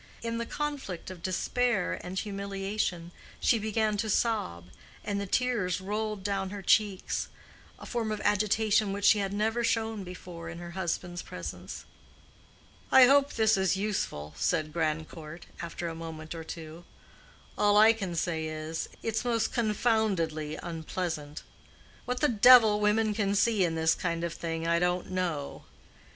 In the conflict of despair and humiliation she began to sob, and the tears rolled down her cheeks—a form of agitation which she had never shown before in her husband's presence. "I hope this is useful," said Grandcourt, after a moment or two. "All I can say is, it's most confoundedly unpleasant. What the devil women can see in this kind of thing, I don't know.